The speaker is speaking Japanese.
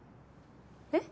え？